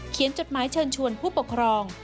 จดหมายเชิญชวนผู้ปกครอง